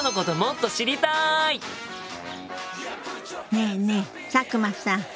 ねえねえ佐久間さん。